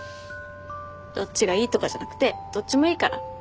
どっちがいいとかじゃなくてどっちもいいから。